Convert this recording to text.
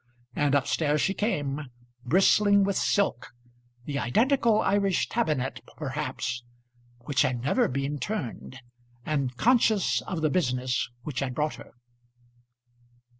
And up stairs she came, bristling with silk the identical Irish tabinet, perhaps, which had never been turned and conscious of the business which had brought her.